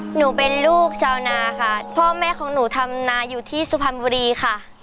หนูเป็นลูกชาวนาค่ะพ่อแม่ของหนูทำนาอยู่ที่สุพรรณบุรีค่ะ